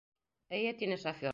— Эйе, — тине шофер.